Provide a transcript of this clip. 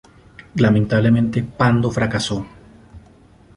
Lamentablemente, Pando fracasó.